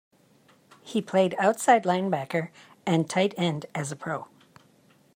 He played outside linebacker and tight end as a pro.